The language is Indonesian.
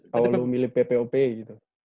kalau lu milik ppop gitu